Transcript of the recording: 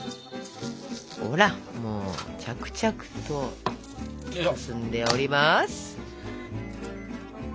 ほらもう着々と進んでおります！